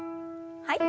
はい。